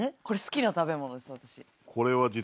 これ好きな食べ物です私。